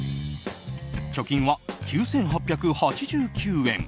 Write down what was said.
貯金は９８８９円。